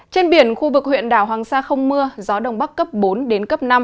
trên biển khu vực huyện đảo hoàng sa không mưa gió đông bắc cấp bốn năm